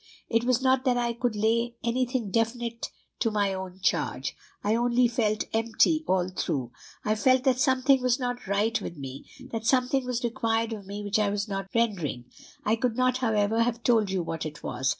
It was not that I could lay any thing definite to my own charge; I only felt empty all through; I felt that something was not right with me, that something was required of me which I was not rendering. I could not, however, have told you what it was.